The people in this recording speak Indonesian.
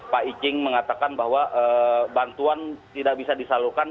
pak icing mengatakan bahwa bantuan tidak bisa disalurkan